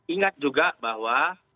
ingat juga bahwa